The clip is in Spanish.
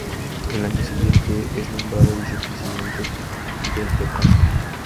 El año siguiente es nombrado vicepresidente del Frepaso.